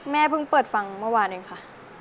เพิ่งเปิดฟังเมื่อวานเองค่ะ